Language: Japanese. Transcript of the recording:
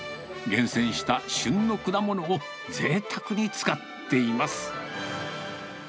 厳選した旬の果物をぜいたくに使っています。